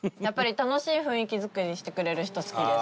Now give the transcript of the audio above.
楽しい雰囲気作りしてくれる人好きです。